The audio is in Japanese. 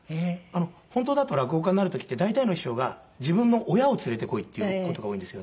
本当だと落語家になる時って大体の師匠が「自分の親を連れてこい」って言う事が多いんですよね。